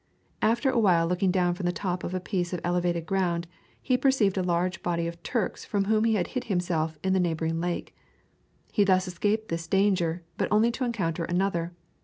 After a while looking down from the top of a piece of elevated ground he perceived a large body of Turks from whom he hid himself in a neighboring lake. He thus escaped this danger, but only to encounter another.